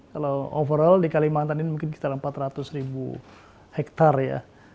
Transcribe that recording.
kalau overall di kalimantan ini mungkin sekitar empat ratus ribu hektare ya